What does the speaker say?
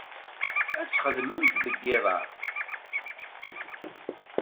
Ad txedmemt deg iḍ-a?